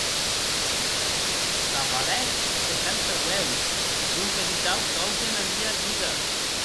S'avalèc seishanta ueus, non vedí tau causa ena mia vida!